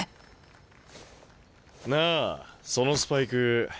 なあそのスパイク。